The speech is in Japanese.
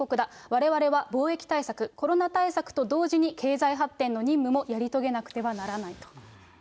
われわれは防疫対策、コロナ対策と同時に経済発展の任務もやり遂げなくてはならないと。